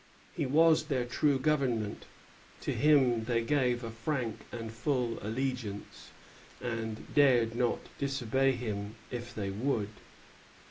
He was their true government; to him they gave a frank and full allegiance, and dared not disobey him if they would.